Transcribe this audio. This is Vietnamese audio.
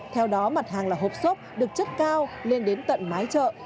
theo đó mặt hàng là hộp xốp được chất cao lên đến tận mái chợ